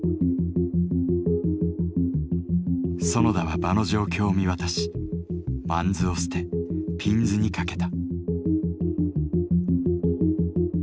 園田は場の状況を見渡し萬子を捨て筒子にかけた。